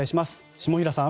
下平さん。